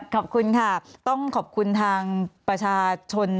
ขอบคุณค่ะต้องขอบคุณทางประชาชน